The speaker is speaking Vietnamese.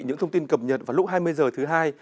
những thông tin cập nhật vào lúc hai mươi h thứ hai